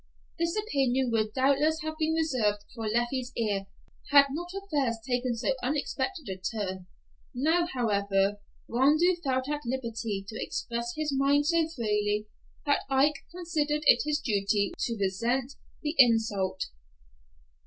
This opinion would doubtless have been reserved for Leffie's ear had not affairs taken so unexpected a turn. Now, however, Rondeau felt at liberty to express his mind so freely that Ike considered it his duty to resent the insult.